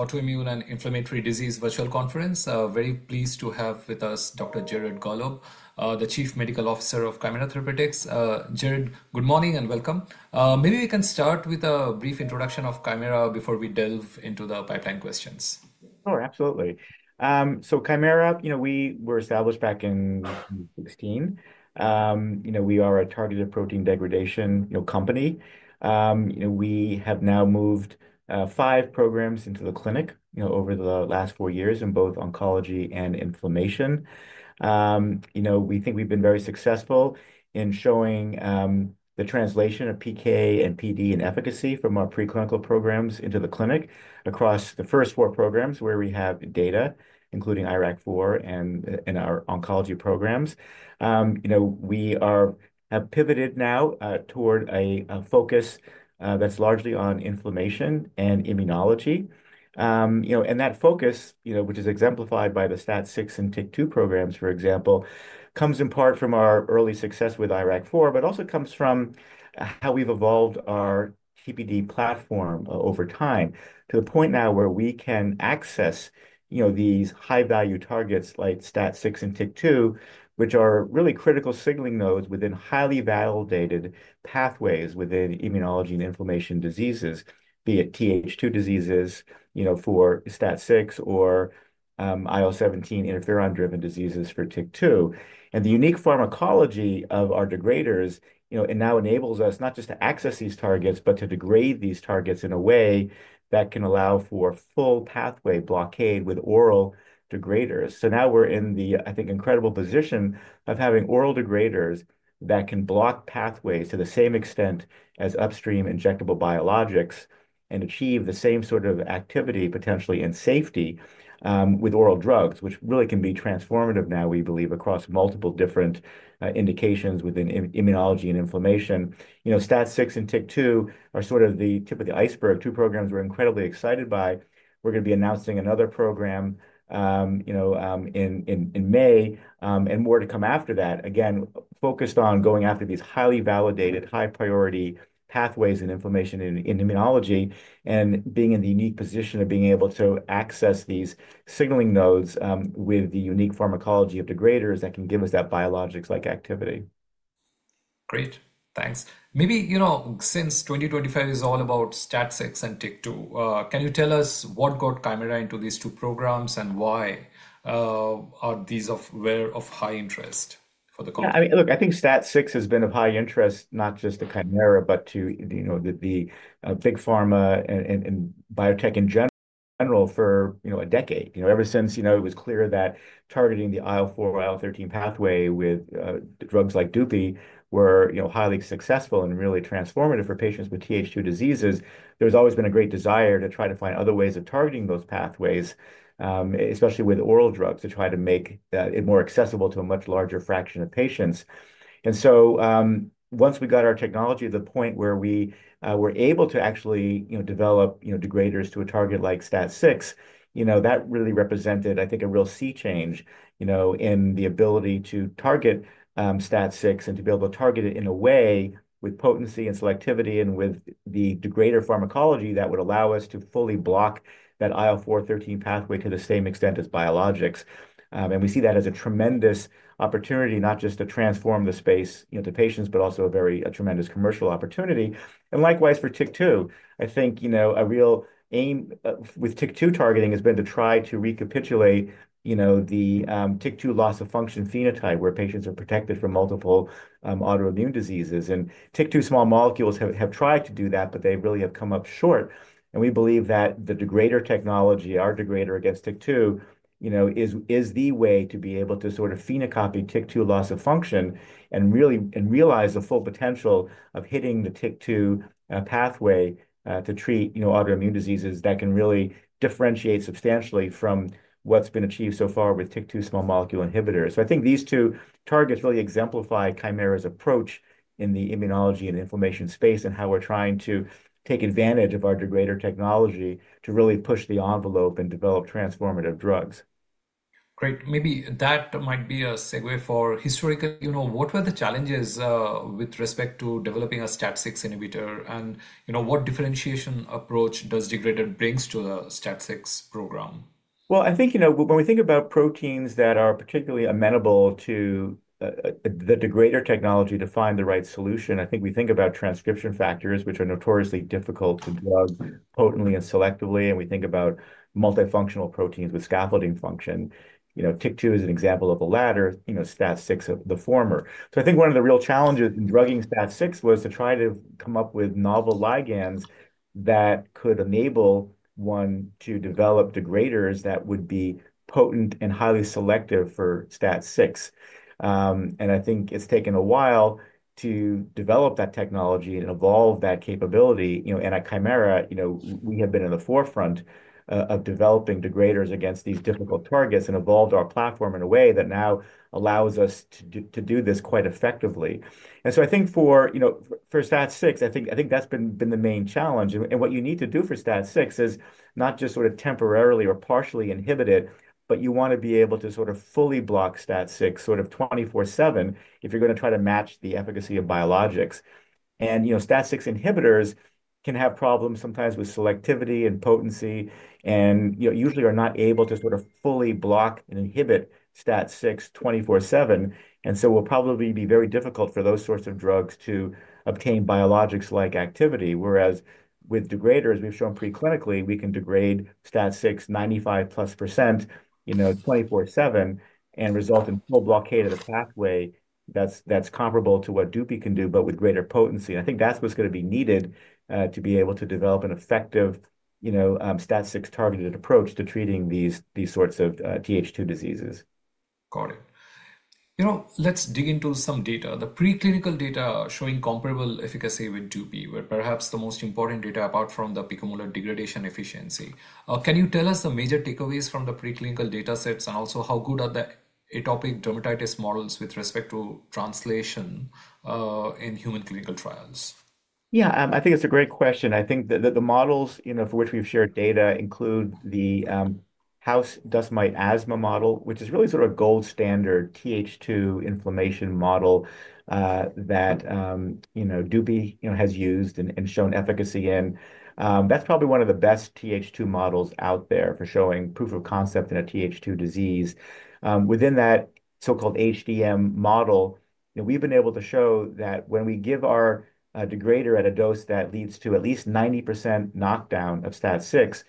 Autoimmune and Inflammatory Disease Virtual Conference. Very pleased to have with us Dr. Jared Gollob, the Chief Medical Officer of Kymera Therapeutics. Jared, good morning and welcome. Maybe we can start with a brief introduction of Kymera before we delve into the pipeline questions. Sure, absolutely. Kymera, we were established back in 2016. We are a targeted protein degradation company. We have now moved 5 programs into the clinic over the last 4 years in both oncology and inflammation. We think we've been very successful in showing the translation of PK and PD and efficacy from our preclinical programs into the clinic across the first 4 programs where we have data, including IRAK4 and our oncology programs. We have pivoted now toward a focus that's largely on inflammation and immunology. That focus, which is exemplified by the STAT6 and TYK2 programs, for example, comes in part from our early success with IRAK4, but also comes from how we've evolved our TPD platform over time to the point now where we can access these high-value targets like STAT6 and TYK2, which are really critical signaling nodes within highly validated pathways within immunology and inflammation diseases, be it Th2 diseases for STAT6 or IL-17 interferon-driven diseases for TYK2. The unique pharmacology of our degraders now enables us not just to access these targets, but to degrade these targets in a way that can allow for full pathway blockade with oral degraders. Now we're in the, I think, incredible position of having oral degraders that can block pathways to the same extent as upstream injectable biologics and achieve the same sort of activity, potentially in safety, with oral drugs, which really can be transformative now, we believe, across multiple different indications within immunology and inflammation. STAT6 and TYK2 are sort of the tip of the iceberg. Two programs we're incredibly excited by. We're going to be announcing another program in May and more to come after that, again, focused on going after these highly validated, high-priority pathways in inflammation and immunology and being in the unique position of being able to access these signaling nodes with the unique pharmacology of degraders that can give us that biologics-like activity. Great. Thanks. Maybe since 2025 is all about STAT6 and TYK2, can you tell us what got Kymera into these 2 programs and why are these of high interest for the company? Look, I think STAT6 has been of high interest not just to Kymera, but to the big pharma and biotech in general for a decade. Ever since it was clear that targeting the IL-4, IL-13 pathway with drugs like dupilumab were highly successful and really transformative for patients with Th2 diseases, there's always been a great desire to try to find other ways of targeting those pathways, especially with oral drugs, to try to make it more accessible to a much larger fraction of patients. Once we got our technology to the point where we were able to actually develop degraders to a target like STAT6, that really represented, I think, a real sea change in the ability to target STAT6 and to be able to target it in a way with potency and selectivity and with the degrader pharmacology that would allow us to fully block that IL-4, IL-13 pathway to the same extent as biologics. We see that as a tremendous opportunity, not just to transform the space to patients, but also a very tremendous commercial opportunity. Likewise for TYK2, I think a real aim with TYK2 targeting has been to try to recapitulate the TYK2 loss of function phenotype where patients are protected from multiple autoimmune diseases. TYK2 small molecules have tried to do that, but they really have come up short. We believe that the degrader technology, our degrader against TYK2, is the way to be able to sort of phenocopy TYK2 loss of function and realize the full potential of hitting the TYK2 pathway to treat autoimmune diseases that can really differentiate substantially from what's been achieved so far with TYK2 small molecule inhibitors. I think these 2 targets really exemplify Kymera's approach in the immunology and inflammation space and how we're trying to take advantage of our degrader technology to really push the envelope and develop transformative drugs. Great. Maybe that might be a segue for historically, what were the challenges with respect to developing a STAT6 inhibitor? What differentiation approach does degrader bring to the STAT6 program? I think when we think about proteins that are particularly amenable to the degrader technology to find the right solution, I think we think about transcription factors, which are notoriously difficult to drug potently and selectively. We think about multifunctional proteins with scaffolding function. TYK2 is an example of the latter, STAT6 of the former. I think one of the real challenges in drugging STAT6 was to try to come up with novel ligands that could enable one to develop degraders that would be potent and highly selective for STAT6. I think it's taken a while to develop that technology and evolve that capability. At Kymera, we have been in the forefront of developing degraders against these difficult targets and evolved our platform in a way that now allows us to do this quite effectively. I think for STAT6, I think that's been the main challenge. What you need to do for STAT6 is not just sort of temporarily or partially inhibit it, but you want to be able to sort of fully block STAT6 sort of 24/7 if you're going to try to match the efficacy of biologics. STAT6 inhibitors can have problems sometimes with selectivity and potency and usually are not able to sort of fully block and inhibit STAT6 24/7. It will probably be very difficult for those sorts of drugs to obtain biologics-like activity. Whereas with degraders, we've shown preclinically we can degrade STAT6 95% plus 24/7 and result in full blockade of the pathway that's comparable to what Dupilumab can do, but with greater potency. I think that's what's going to be needed to be able to develop an effective STAT6 targeted approach to treating these sorts of Th2 diseases. Got it. Let's dig into some data. The preclinical data showing comparable efficacy with Dupilumab were perhaps the most important data apart from the picomolar degradation efficiency. Can you tell us the major takeaways from the preclinical data sets and also how good are the atopic dermatitis models with respect to translation in human clinical trials? Yeah, I think it's a great question. I think that the models for which we've shared data include the house dust mite asthma model, which is really sort of a gold standard Th2 inflammation model that dupilumab has used and shown efficacy in. That's probably one of the best Th2 models out there for showing proof of concept in a Th2 disease. Within that so-called HDM model, we've been able to show that when we give our degrader at a dose that leads to at least 90% knockdown of STAT6,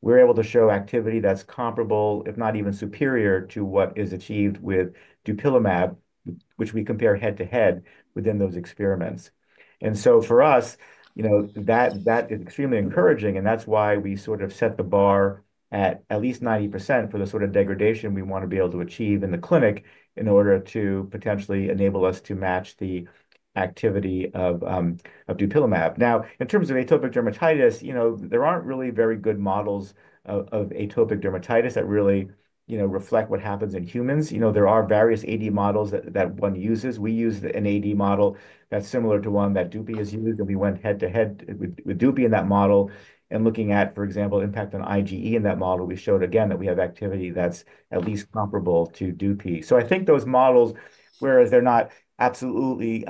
we're able to show activity that's comparable, if not even superior, to what is achieved with dupilumab, which we compare head-to-head within those experiments. For us, that is extremely encouraging. That is why we sort of set the bar at at least 90% for the sort of degradation we want to be able to achieve in the clinic in order to potentially enable us to match the activity of dupilumab. Now, in terms of atopic dermatitis, there are not really very good models of atopic dermatitis that really reflect what happens in humans. There are various AD models that one uses. We use an AD model that is similar to one that Dupi has used. We went head-to-head with Dupi in that model. Looking at, for example, impact on IgE in that model, we showed again that we have activity that is at least comparable to Dupi. I think those models, whereas they're not absolutely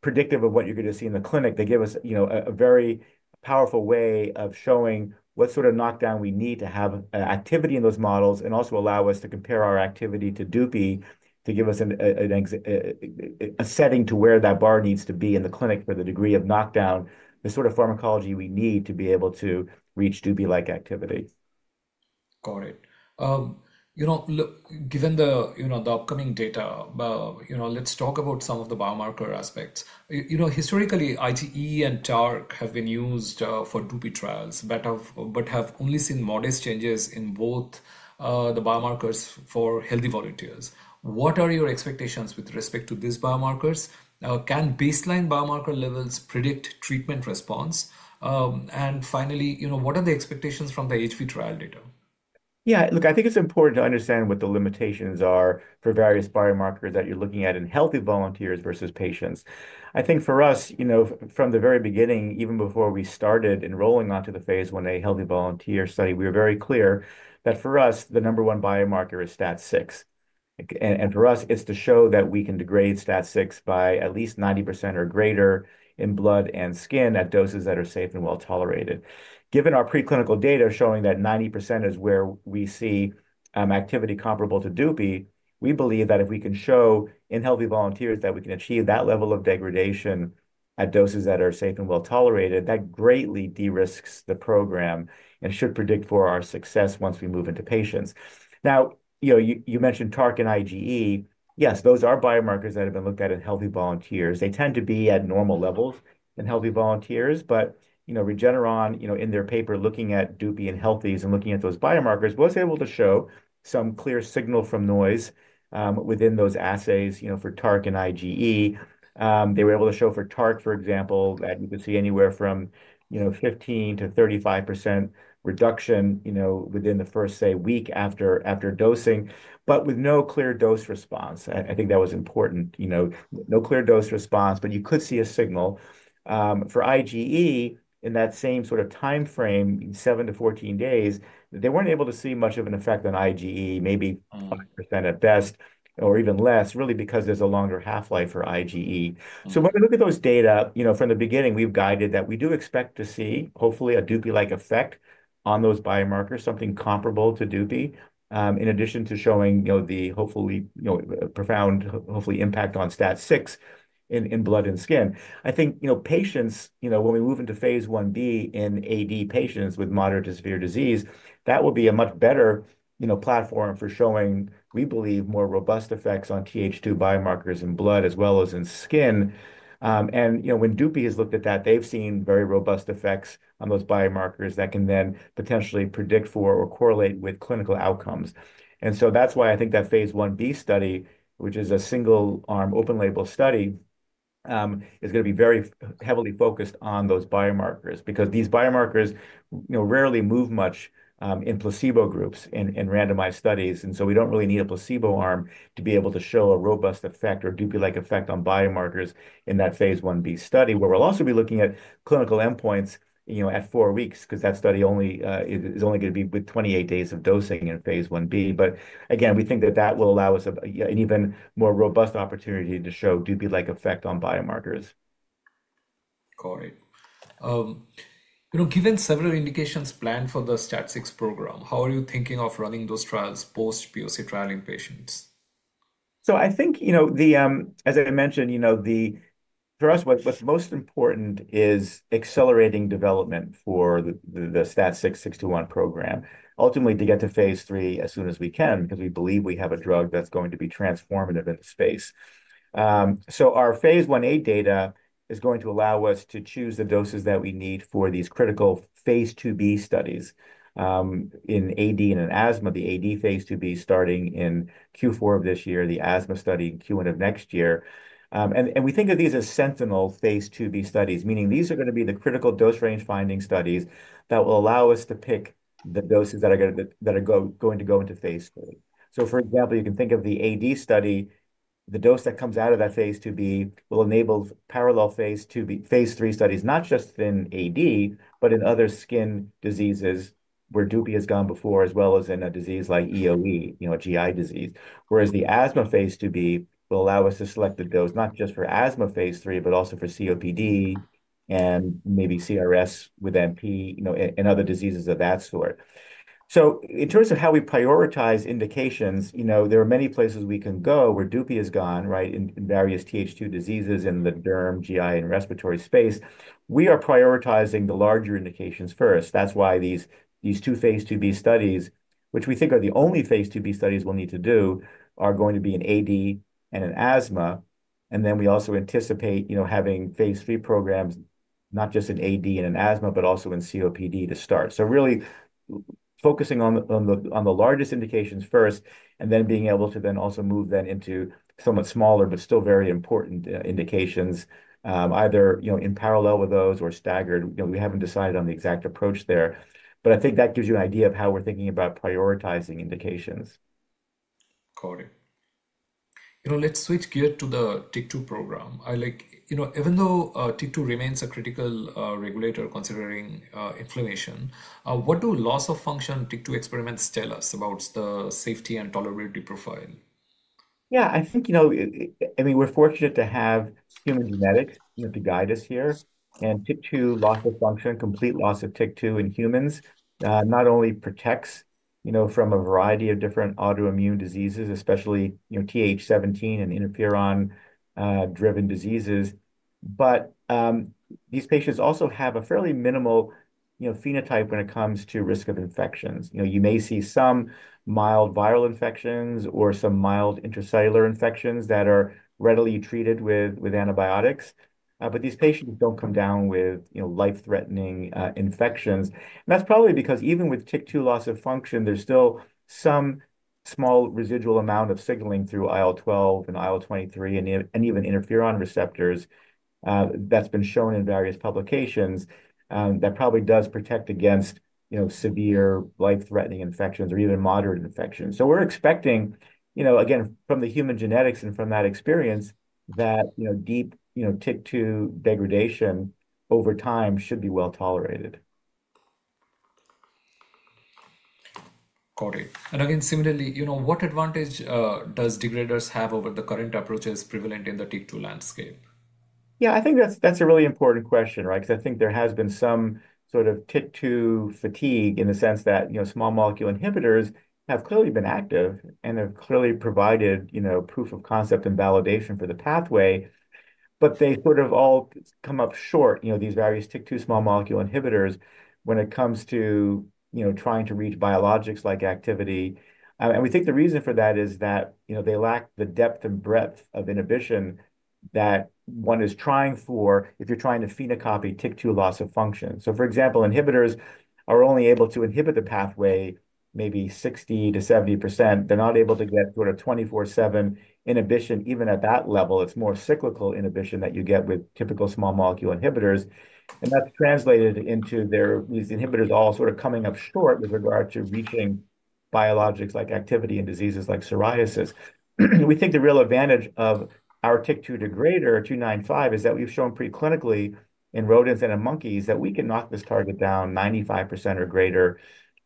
predictive of what you're going to see in the clinic, they give us a very powerful way of showing what sort of knockdown we need to have activity in those models and also allow us to compare our activity to Dupi to give us a setting to where that bar needs to be in the clinic for the degree of knockdown, the sort of pharmacology we need to be able to reach Dupi-like activity. Got it. Given the upcoming data, let's talk about some of the biomarker aspects. Historically, IgE and TARC have been used for Dupi trials, but have only seen modest changes in both the biomarkers for healthy volunteers. What are your expectations with respect to these biomarkers? Can baseline biomarker levels predict treatment response? Finally, what are the expectations from the HV trial data? Yeah, look, I think it's important to understand what the limitations are for various biomarkers that you're looking at in healthy volunteers versus patients. I think for us, from the very beginning, even before we started enrolling onto the phase 1A healthy volunteer study, we were very clear that for us, the number one biomarker is STAT6. And for us, it's to show that we can degrade STAT6 by at least 90% or greater in blood and skin at doses that are safe and well tolerated. Given our preclinical data showing that 90% is where we see activity comparable to Dupi, we believe that if we can show in healthy volunteers that we can achieve that level of degradation at doses that are safe and well tolerated, that greatly de-risks the program and should predict for our success once we move into patients. Now, you mentioned TARC and IgE. Yes, those are biomarkers that have been looked at in healthy volunteers. They tend to be at normal levels in healthy volunteers. Regeneron, in their paper looking at Dupilumab in healthies and looking at those biomarkers, was able to show some clear signal from noise within those assays for TARC and IgE. They were able to show for TARC, for example, that you could see anywhere from 15%-35% reduction within the first, say, week after dosing, but with no clear dose response. I think that was important. No clear dose response, but you could see a signal. For IgE, in that same sort of timeframe, 7-14 days, they were not able to see much of an effect on IgE, maybe 5% at best or even less, really because there is a longer half-life for IgE. When we look at those data, from the beginning, we've guided that we do expect to see, hopefully, a Dupi-like effect on those biomarkers, something comparable to Dupi, in addition to showing the hopefully profound, hopefully, impact on STAT6 in blood and skin. I think patients, when we move into phase 1B in AD patients with moderate to severe disease, that will be a much better platform for showing, we believe, more robust effects on Th2 biomarkers in blood as well as in skin. When Dupi has looked at that, they've seen very robust effects on those biomarkers that can then potentially predict for or correlate with clinical outcomes. That is why I think that phase 1B study, which is a single-arm open-label study, is going to be very heavily focused on those biomarkers because these biomarkers rarely move much in placebo groups in randomized studies. We do not really need a placebo arm to be able to show a robust effect or Dupi-like effect on biomarkers in that phase 1B study, where we will also be looking at clinical endpoints at 4 weeks because that study is only going to be with 28 days of dosing in phase 1B. Again, we think that will allow us an even more robust opportunity to show Dupi-like effect on biomarkers. Got it. Given several indications planned for the STAT6 program, how are you thinking of running those trials post-POC trial in patients? I think, as I mentioned, for us, what's most important is accelerating development for the STAT6 621 program, ultimately to get to phase 3 as soon as we can because we believe we have a drug that's going to be transformative in the space. Our phase 1A data is going to allow us to choose the doses that we need for these critical phase 2B studies in AD and in asthma, the AD phase 2B starting in Q4 of this year, the asthma study in Q1 of next year. We think of these as sentinel phase 2B studies, meaning these are going to be the critical dose range finding studies that will allow us to pick the doses that are going to go into phase 3. For example, you can think of the AD study, the dose that comes out of that phase 2B will enable parallel phase 3 studies, not just in AD, but in other skin diseases where Dupi has gone before, as well as in a disease like EoE, a GI disease. Whereas the asthma phase 2B will allow us to select the dose not just for asthma phase 3, but also for COPD and maybe CRS with NP and other diseases of that sort. In terms of how we prioritize indications, there are many places we can go where Dupi has gone, right, in various Th2 diseases in the derm, GI, and respiratory space. We are prioritizing the larger indications first. That's why these 2 phase 2B studies, which we think are the only phase 2B studies we'll need to do, are going to be in AD and in asthma. We also anticipate having phase 3 programs, not just in AD and in asthma, but also in COPD to start. Really focusing on the largest indications first and then being able to also move into somewhat smaller, but still very important indications, either in parallel with those or staggered. We haven't decided on the exact approach there. I think that gives you an idea of how we're thinking about prioritizing indications. Got it. Let's switch gears to the TYK2 program. Even though TYK2 remains a critical regulator considering inflammation, what do loss of function TYK2 experiments tell us about the safety and tolerability profile? Yeah, I think, I mean, we're fortunate to have human genetics to guide us here. And TYK2 loss of function, complete loss of TYK2 in humans, not only protects from a variety of different autoimmune diseases, especially Th17 and interferon-driven diseases, but these patients also have a fairly minimal phenotype when it comes to risk of infections. You may see some mild viral infections or some mild intracellular infections that are readily treated with antibiotics. These patients don't come down with life-threatening infections. That's probably because even with TYK2 loss of function, there's still some small residual amount of signaling through IL-12 and IL-23 and even interferon receptors that's been shown in various publications that probably does protect against severe life-threatening infections or even moderate infections. We're expecting, again, from the human genetics and from that experience that deep TYK2 degradation over time should be well tolerated. Got it. Again, similarly, what advantage do degraders have over the current approaches prevalent in the TYK2 landscape? Yeah, I think that's a really important question, right, because I think there has been some sort of TYK2 fatigue in the sense that small molecule inhibitors have clearly been active and have clearly provided proof of concept and validation for the pathway. They sort of all come up short, these various TYK2 small molecule inhibitors, when it comes to trying to reach biologics-like activity. We think the reason for that is that they lack the depth and breadth of inhibition that one is trying for if you're trying to phenocopy TYK2 loss of function. For example, inhibitors are only able to inhibit the pathway maybe 60%-70%. They're not able to get sort of 24/7 inhibition even at that level. It's more cyclical inhibition that you get with typical small molecule inhibitors. That's translated into these inhibitors all sort of coming up short with regard to reaching biologics-like activity in diseases like psoriasis. We think the real advantage of our TYK2 degrader 295 is that we've shown preclinically in rodents and in monkeys that we can knock this target down 95% or greater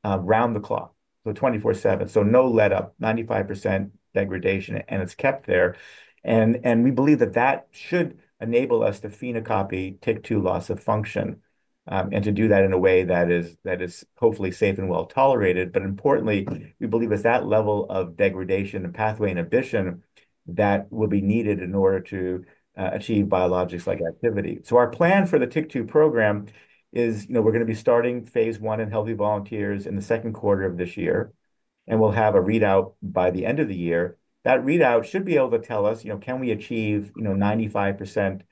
round the clock, so 24/7. No let-up, 95% degradation, and it's kept there. We believe that that should enable us to phenocopy TYK2 loss of function and to do that in a way that is hopefully safe and well tolerated. Importantly, we believe it's that level of degradation and pathway inhibition that will be needed in order to achieve biologics-like activity. Our plan for the TYK2 program is we're going to be starting phase I in healthy volunteers in the second quarter of this year. We will have a readout by the end of the year. That readout should be able to tell us, can we achieve 95%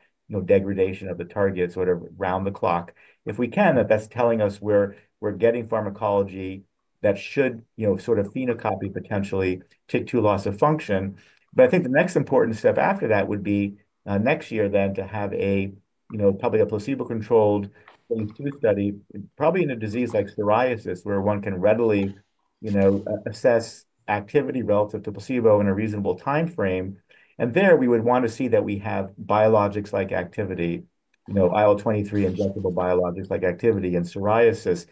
degradation of the targets sort of round the clock? If we can, that's telling us we're getting pharmacology that should sort of phenocopy potentially TYK2 loss of function. I think the next important step after that would be next year then to have probably a placebo-controlled phase 2 study, probably in a disease like psoriasis, where one can readily assess activity relative to placebo in a reasonable timeframe. There, we would want to see that we have biologics-like activity, IL-23 injectable biologics-like activity in psoriasis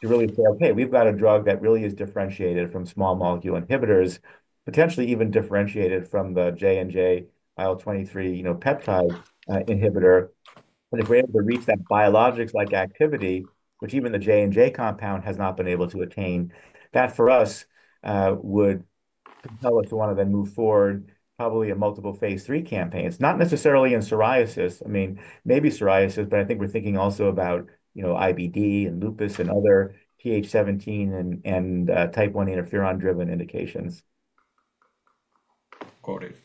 to really say, okay, we've got a drug that really is differentiated from small molecule inhibitors, potentially even differentiated from the Johnson & Johnson IL-23 peptide inhibitor. If we're able to reach that biologics-like activity, which even the J&J compound has not been able to attain, that for us would tell us we want to then move forward probably a multiple phase 3 campaign. It's not necessarily in psoriasis. I mean, maybe psoriasis, but I think we're thinking also about IBD and lupus and other Th17 and Type I interferon-driven indications. Got it.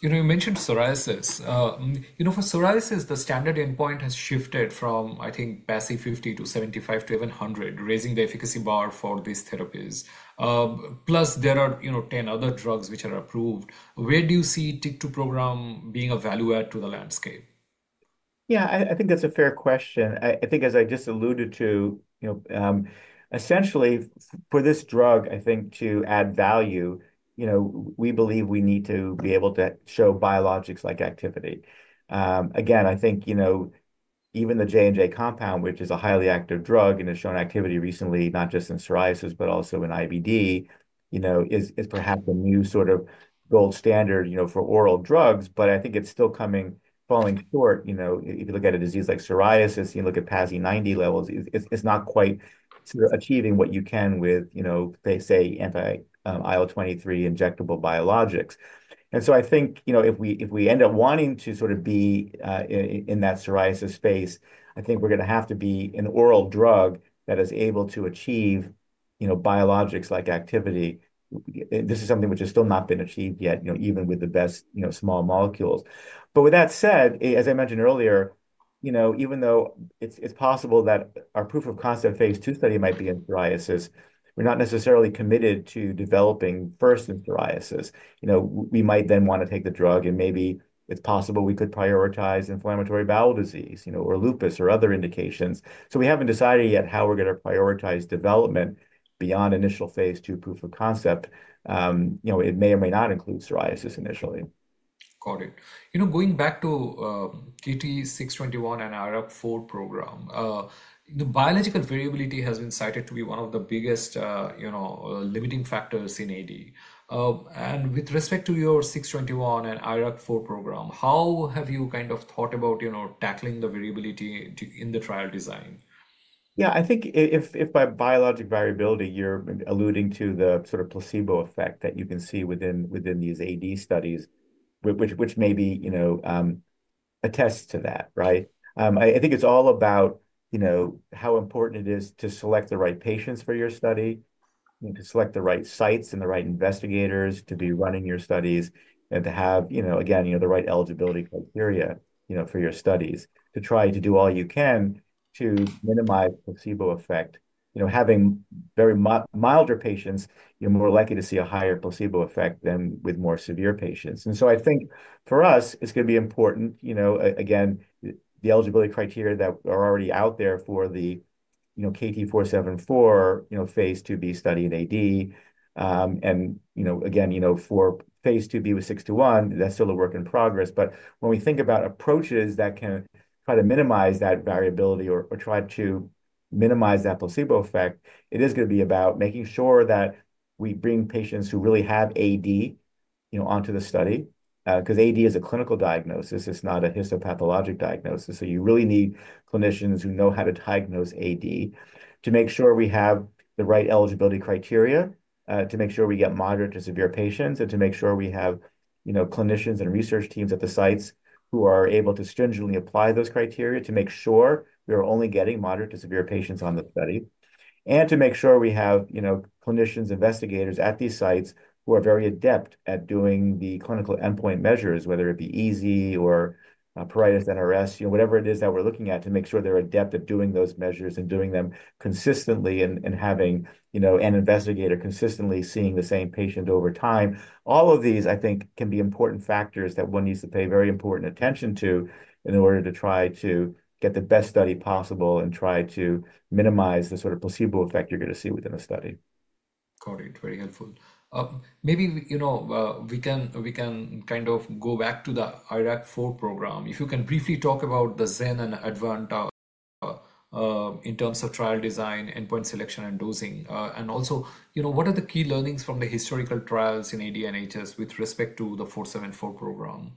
You mentioned psoriasis. For psoriasis, the standard endpoint has shifted from, I think, PASI 50 to 75 to even 100, raising the efficacy bar for these therapies. Plus, there are 10 other drugs which are approved. Where do you see TYK2 program being a value add to the landscape? Yeah, I think that's a fair question. I think, as I just alluded to, essentially, for this drug, I think, to add value, we believe we need to be able to show biologics-like activity. Again, I think even the J&J compound, which is a highly active drug and has shown activity recently, not just in psoriasis, but also in IBD, is perhaps a new sort of gold standard for oral drugs. I think it's still falling short. If you look at a disease like psoriasis, you look at PASI 90 levels, it's not quite achieving what you can with, say, anti-IL-23 injectable biologics. I think if we end up wanting to sort of be in that psoriasis space, I think we're going to have to be an oral drug that is able to achieve biologics-like activity. This is something which has still not been achieved yet, even with the best small molecules. As I mentioned earlier, even though it's possible that our proof of concept phase 2 study might be in psoriasis, we're not necessarily committed to developing first in psoriasis. We might then want to take the drug, and maybe it's possible we could prioritize inflammatory bowel disease or lupus or other indications. We haven't decided yet how we're going to prioritize development beyond initial phase 2 proof of concept. It may or may not include psoriasis initially. Got it. Going back to KT-621 and IRAK4 program, biological variability has been cited to be one of the biggest limiting factors in AD. With respect to your 621 and IRAK4 program, how have you kind of thought about tackling the variability in the trial design? Yeah, I think if by biologic variability, you're alluding to the sort of placebo effect that you can see within these AD studies, which maybe attests to that, right? I think it's all about how important it is to select the right patients for your study, to select the right sites and the right investigators to be running your studies, and to have, again, the right eligibility criteria for your studies to try to do all you can to minimize placebo effect. Having very milder patients, you're more likely to see a higher placebo effect than with more severe patients. I think for us, it's going to be important, again, the eligibility criteria that are already out there for the KT-474 phase 2B study in AD. Again, for phase 2B with KT-621, that's still a work in progress. When we think about approaches that can try to minimize that variability or try to minimize that placebo effect, it is going to be about making sure that we bring patients who really have AD onto the study because AD is a clinical diagnosis. It's not a histopathologic diagnosis. You really need clinicians who know how to diagnose AD to make sure we have the right eligibility criteria, to make sure we get moderate to severe patients, and to make sure we have clinicians and research teams at the sites who are able to stringently apply those criteria to make sure we are only getting moderate to severe patients on the study, and to make sure we have clinicians and investigators at these sites who are very adept at doing the clinical endpoint measures, whether it be EASI or pruritus NRS, whatever it is that we're looking at, to make sure they're adept at doing those measures and doing them consistently and having an investigator consistently seeing the same patient over time. All of these, I think, can be important factors that one needs to pay very important attention to in order to try to get the best study possible and try to minimize the sort of placebo effect you're going to see within the study. Got it. Very helpful. Maybe we can kind of go back to the IRAK4 program. If you can briefly talk about the ZEN and ADVANTA in terms of trial design, endpoint selection, and dosing. Also, what are the key learnings from the historical trials in AD and HS with respect to the 474 program?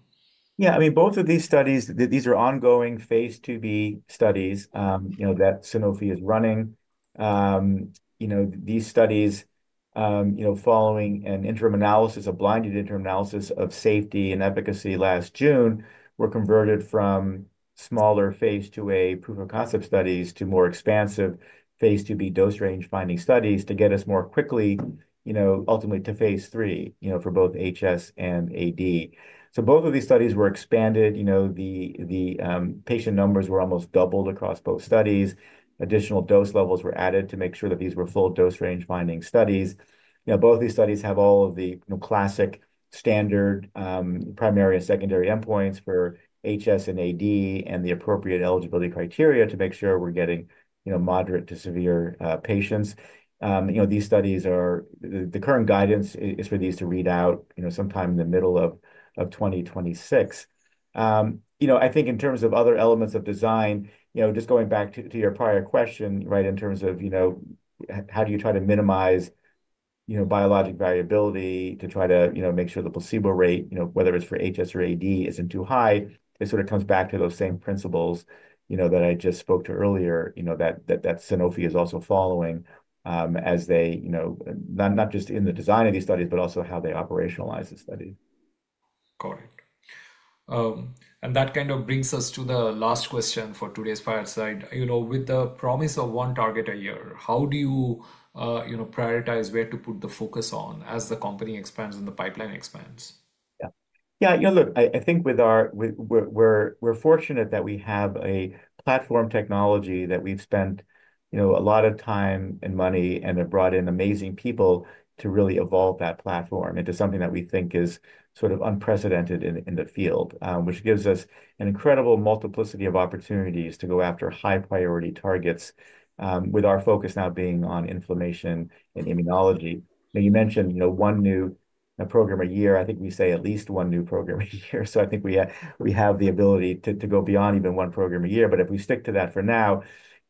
Yeah, I mean, both of these studies, these are ongoing phase 2B studies that Sanofi is running. These studies, following an interim analysis, a blinded interim analysis of safety and efficacy last June, were converted from smaller phase 2A proof of concept studies to more expansive phase 2B dose range finding studies to get us more quickly, ultimately, to phase 3 for both HS and AD. Both of these studies were expanded. The patient numbers were almost doubled across both studies. Additional dose levels were added to make sure that these were full dose range finding studies. Both of these studies have all of the classic standard primary and secondary endpoints for HS and AD and the appropriate eligibility criteria to make sure we're getting moderate to severe patients. These studies, the current guidance is for these to read out sometime in the middle of 2026. I think in terms of other elements of design, just going back to your prior question, right, in terms of how do you try to minimize biologic variability to try to make sure the placebo rate, whether it's for HS or AD, isn't too high, it sort of comes back to those same principles that I just spoke to earlier that Sanofi is also following as they not just in the design of these studies, but also how they operationalize the study. Got it. That kind of brings us to the last question for today's fireside. With the promise of one target a year, how do you prioritize where to put the focus on as the company expands and the pipeline expands? Yeah. Yeah, look, I think we're fortunate that we have a platform technology that we've spent a lot of time and money and have brought in amazing people to really evolve that platform into something that we think is sort of unprecedented in the field, which gives us an incredible multiplicity of opportunities to go after high-priority targets with our focus now being on inflammation and immunology. You mentioned one new program a year. I think we say at least 1 new program a year. I think we have the ability to go beyond even program a year. If we stick to that for now,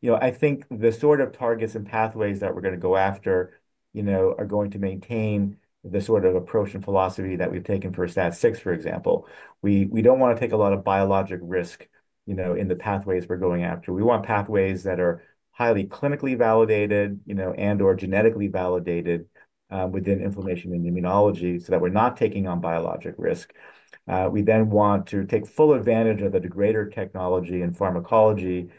I think the sort of targets and pathways that we're going to go after are going to maintain the sort of approach and philosophy that we've taken for STAT6, for example. We do not want to take a lot of biologic risk in the pathways we are going after. We want pathways that are highly clinically validated and/or genetically validated within inflammation and immunology so that we are not taking on biologic risk. We then want to take full advantage of the degrader technology and pharmacology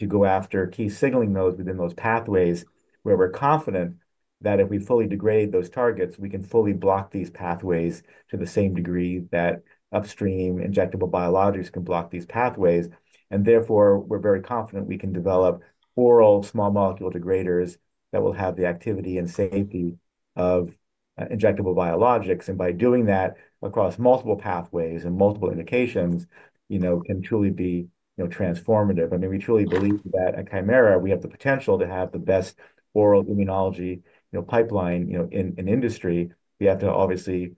to go after key signaling nodes within those pathways where we are confident that if we fully degrade those targets, we can fully block these pathways to the same degree that upstream injectable biologics can block these pathways. We are very confident we can develop oral small molecule degraders that will have the activity and safety of injectable biologics. By doing that across multiple pathways and multiple indications, it can truly be transformative. I mean, we truly believe that at Kymera, we have the potential to have the best oral immunology pipeline in industry. We have to obviously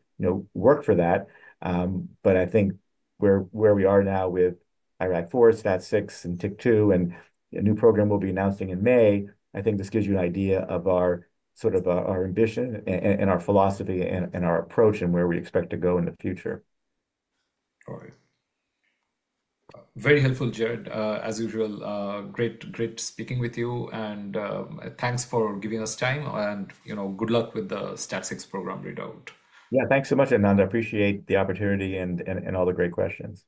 work for that. I think where we are now with IRAK4, STAT6, and TYK2, and a new program we'll be announcing in May, I think this gives you an idea of our sort of our ambition and our philosophy and our approach and where we expect to go in the future. Got it. Very helpful, Jared. As usual, great speaking with you. Thanks for giving us time. Good luck with the STAT6 program readout. Yeah, thanks so much, Edmund. I appreciate the opportunity and all the great questions.